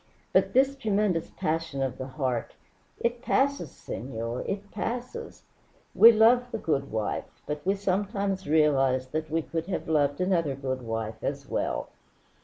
"But this tremendous passion of the heart it passes, senor, it passes. We love the good wife, but we sometimes realize that we could have loved another good wife as well."